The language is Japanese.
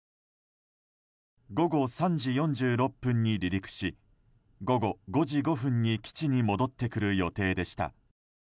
午後３時４６分に離陸し午後５時５分に基地に戻ってくる予定でした。